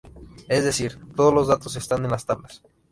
Es decir, todos los datos están en las tablas.